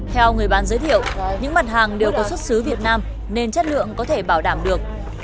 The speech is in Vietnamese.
theo người bán giới thiệu những mặt hàng đều có xuất xứ việt nam nên chất lượng có thể bảo đảm được